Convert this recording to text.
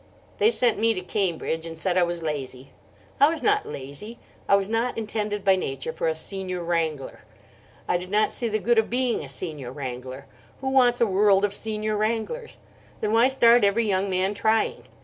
They sent me to Cambridge, and said I was lazy. I was not lazy. I was not intended by nature for a Senior Wrangler. I did not see the good of being a Senior Wrangler. Who wants a world of Senior Wranglers? Then why start every young man trying?